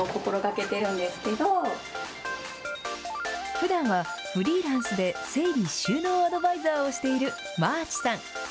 ふだんはフリーランスで整理収納アドバイザーをしているまあちさん。